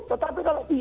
tetapi kalau pr